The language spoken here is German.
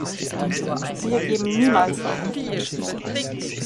Wir geben niemals auf!